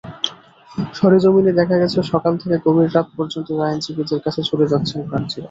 সরেজমিনে দেখা গেছে, সকাল থেকে গভীর রাত পর্যন্ত আইনজীবীদের কাছে ছুটে যাচ্ছেন প্রার্থীরা।